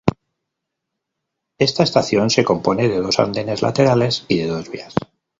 Esta estación se compone de dos andenes laterales y de dos vías.